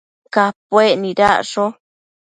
Capuec nidacsho